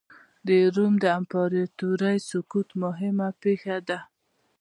د روم د امپراتورۍ سقوط مهمه پېښه ده.